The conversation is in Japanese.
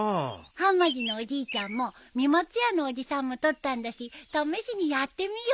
はまじのおじいちゃんもみまつやのおじさんも撮ったんだし試しにやってみようよ。